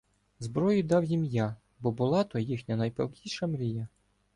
Зброю дав їм я, бо була то їхня найпалкіша мрія.